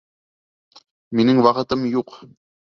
Минең ваҡытым юҡ!